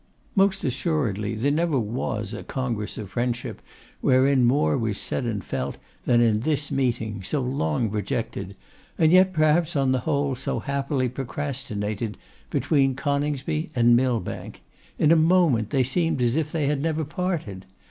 Most assuredly there never was a congress of friendship wherein more was said and felt than in this meeting, so long projected, and yet perhaps on the whole so happily procrastinated, between Coningsby and Millbank. In a moment they seemed as if they had never parted.